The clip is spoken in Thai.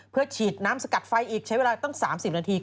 เพื่อฉีดน้ำสกัดไฟอีกใช้เวลาตั้ง๓๐นาที